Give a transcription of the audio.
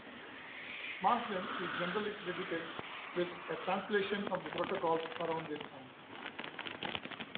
Marsden is generally credited with a translation of the "Protocols" around this time.